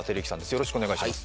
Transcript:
よろしくお願いします